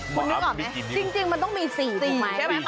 คุณคิดก่อนมั้ยจริงมันต้องมี๔ถูกไหม